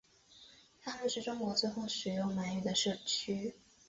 他们是中国最后使用满语的社区。